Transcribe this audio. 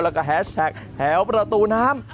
แล้วก็แฮชแท็กแถวประตูน้ำ